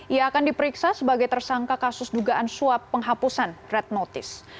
ia akan diperiksa sebagai tersangka kasus dugaan suap penghapusan red notice